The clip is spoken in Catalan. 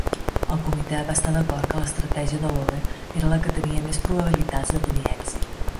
El comitè va estar d'acord que l'estratègia de Lowe era la que tenia més probabilitats de tenir èxit.